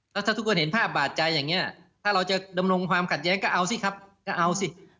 แล้วถ้าทุกคนเห็นภาพบาดใจอย่างนี้ถ้าเราจะดำรงความขัดแย้งก็เอาสิครับก็เอาสิ